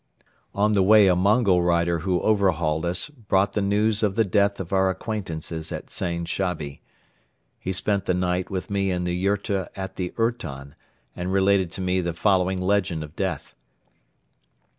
On the way a Mongol rider who overhauled us brought the news of the death of our acquaintances at Zain Shabi. He spent the night with me in the yurta at the ourton and related to me the following legend of death.